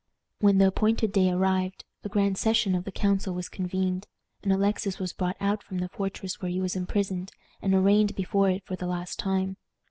When the appointed day arrived a grand session of the council was convened, and Alexis was brought out from the fortress where he was imprisoned, and arraigned before it for the last time.